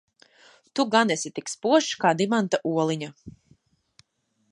Tu gan esi tik spožs kā dimanta oliņa?